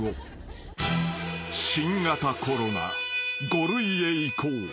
［新型コロナ５類へ移行］